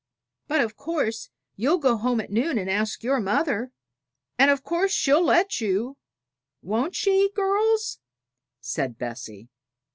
"But, of course, you will go home at noon and ask your mother, and of course she'll let you; won't she, girls?" said Bessie.